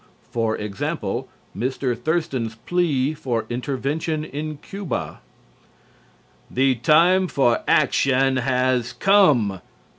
For example, Mr. Thurston's plea for intervention in Cuba: "The time for action has come.